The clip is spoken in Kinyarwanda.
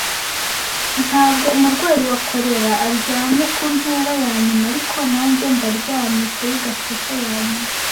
Ntabwo umurwayi wa kolera aryamye kumpera yanyuma ariko nanjye ndaryamye kuri gasopa yanyuma,